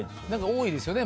多いですよね。